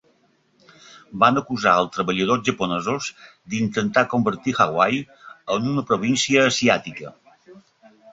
Van acusar els treballadors japonesos d'intentar convertir Hawaii en una província asiàtica.